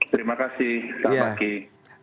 terima kasih selamat pagi